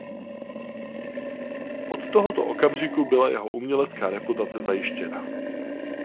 Od tohoto okamžiku byla jeho umělecká reputace zajištěna.